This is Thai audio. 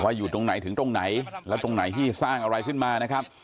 อยู่ตรงไหนถึงตรงไหนแล้วตรงไหนที่สร้างอะไรขึ้นมานะครับ